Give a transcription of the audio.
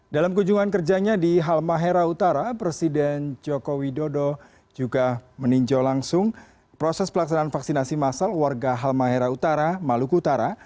dalam kunjungan kerjanya di halmahera utara presiden joko widodo juga meninjau langsung proses pelaksanaan vaksinasi masal warga halmahera utara maluku utara